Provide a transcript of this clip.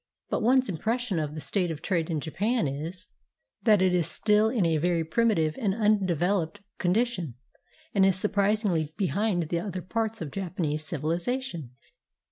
But one's impression of the state of trade in Japan is, that it is still in a very primitive and undeveloped con dition, and is surprisingly behind the other parts of Japanese civihzation.